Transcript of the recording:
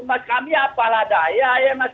mas kami apalah daya ya mas